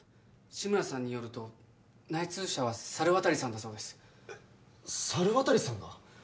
志村さんによると内通者は猿渡さんだそうですえっ猿渡さんが？